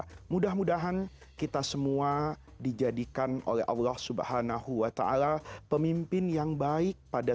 ya mudah mudahan kita semua dijadikan oleh allah swt pemimpin yang baik pada